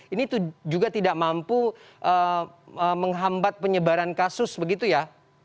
ini juga tidak mampu menghambat penyebaran kasus begitu ya